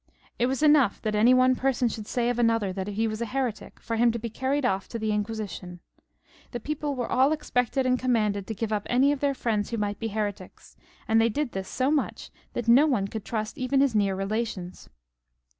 It was enough that any one person should say of another that he was a heretic, for him to be carried off to the Inquisition. The people were all expected and commanded to give up any of their friends who might be heretics ; and they did this so much that no one could 262 HENRY IL [CH. trust even their near relations.